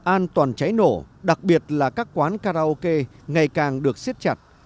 an toàn cháy nổ đặc biệt là các quán karaoke ngày càng được siết chặt